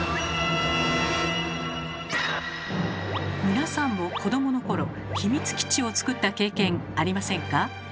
皆さんも子どもの頃秘密基地を作った経験ありませんか？